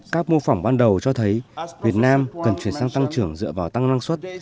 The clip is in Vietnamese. các mô phỏng ban đầu cho thấy việt nam cần chuyển sang tăng trưởng dựa vào tăng năng suất